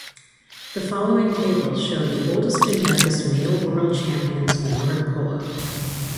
The following tables show the oldest and youngest male world champions in water polo.